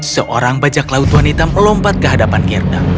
seorang bajak laut wanita melompat ke hadapan gerda